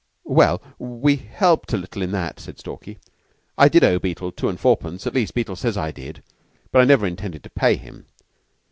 "Well we helped a little in that," said Stalky. "I did owe Beetle two and fourpence at least, Beetle says I did, but I never intended to pay him.